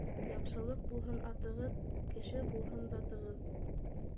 Яҡшылыҡ булһын атығыҙ, кеше булһын затығыҙ.